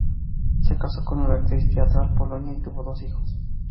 Se casó con una actriz teatral, Polonia, y tuvo dos hijos.